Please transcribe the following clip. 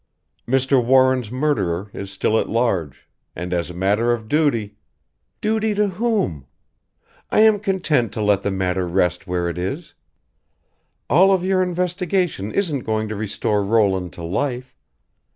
"Mr. Warren's murderer is still at large and as a matter of duty " "Duty to whom? I am content to let the matter rest where it is. All of your investigation isn't going to restore Roland to life.